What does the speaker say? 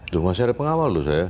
tuh masih ada pengawal loh saya